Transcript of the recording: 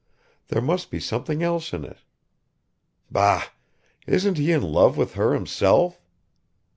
There must be something else in it. Bah! Isn't he in love with her himself?